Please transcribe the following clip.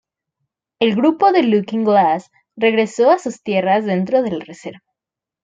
El grupo de Looking Glass regresó a sus tierras dentro de la reserva.